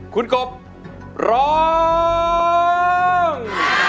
คุณกบร้อง